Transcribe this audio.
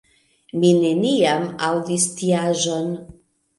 Mi neniam aŭdis tiaĵon.